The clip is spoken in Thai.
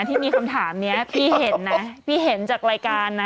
ที่มีคำถามนี้พี่เห็นนะพี่เห็นจากรายการนะ